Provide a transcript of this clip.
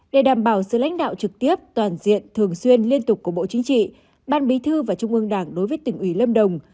để đảm bảo sự lãnh đạo trực tiếp toàn diện thường xuyên liên tục của bộ chính trị ban bí thư và trung ương đảng đối với tỉnh ủy lâm đồng